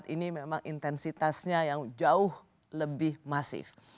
dua ribu dua puluh empat ini memang intensitasnya yang jauh lebih masif